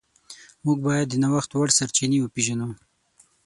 موږ باید د نوښت وړ سرچینې وپیژنو.